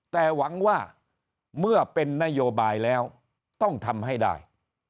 แต่หวังว่าเมื่อเป็นนโยบายแล้วต้องทำให้ได้